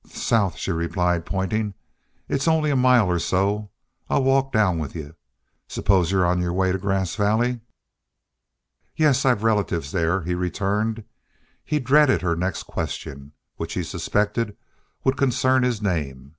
"South," she replied, pointing. "It's only a mile or so. I'll walk down with y'u.... Suppose y'u're on the way to Grass Valley?" "Yes; I've relatives there," he returned. He dreaded her next question, which he suspected would concern his name.